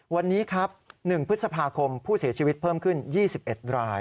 วันนี้ครับ๑พฤษภาคมผู้เสียชีวิตเพิ่มขึ้น๒๑ราย